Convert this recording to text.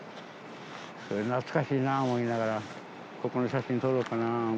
懐かしいな思いながら、ここで写真を撮ろうかなと。